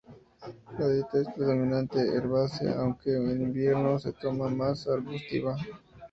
La dieta es predominantemente herbácea, aunque en invierno se torna más arbustiva.